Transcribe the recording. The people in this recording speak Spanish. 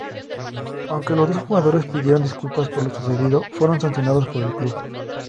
Aunque los dos jugadores pidieron disculpas por lo sucedido fueron sancionados por el club.